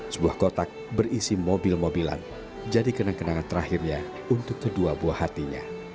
sebuah kotak berisi mobil mobilan jadi kenang kenangan terakhirnya untuk kedua buah hatinya